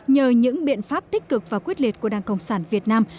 nhờ những biện pháp tích cực và quyết liệt của đảng cộng sản việt nam